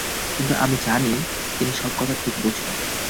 কিন্তু আমি জানি, তিনি সব কথা ঠিক বুঝবেন।